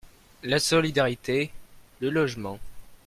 la solidarité, le logement.